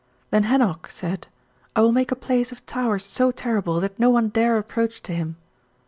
"Then Henoch said: 'I will make a place of towers so terrible that no one dare approach to him.